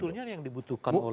sebetulnya yang dibutuhkan oleh